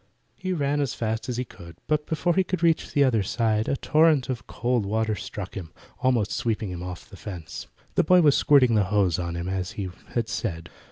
He ran as fast as he could, but before he could reach the other side a torrent of cold water struck him, almost sweeping him off the fence. The boy was squirting the hose on him as he had said.